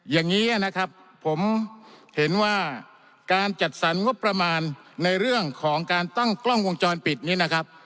อย่างนี้นะครับผมเห็นว่าการจัดสรรงบประมาณในเรื่องของการตั้งกล้องวงจรปิดนี้นะครับ